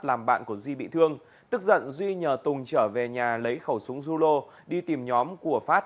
làm bạn của duy bị thương tức giận duy nhờ tùng trở về nhà lấy khẩu súng zulo đi tìm nhóm của phát